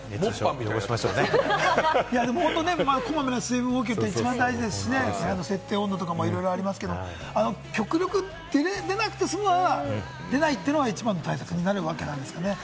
本当にこまめな水分補給、一番大事ですし、設定温度など、いろいろありますけど、極力出なくて済むなら、出ないというのが一番大切になるわけなんですかね。